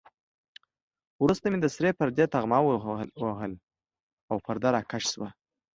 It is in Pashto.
وروسته مې د سرې پردې تقمه ووهل او پرده را کش شوه.